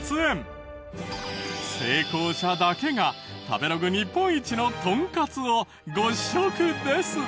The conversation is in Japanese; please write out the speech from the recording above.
成功者だけが食べログ日本一のトンカツをご試食です。